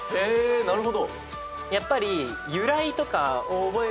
なるほど。